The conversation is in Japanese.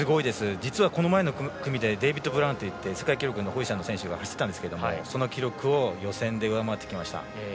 実はこの前の組でデイビッド・ブラウンという世界記録保持者の選手が走ったんですけどその記録を予選で上回ってきました。